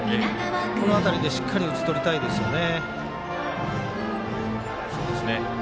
この辺りでしっかり打ち取りたいですよね。